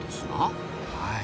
はい。